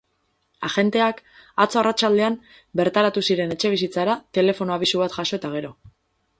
Agenteak atzo arratsaldean bertaratu ziren etxebizitzara, telefono abisu bat jaso eta gero.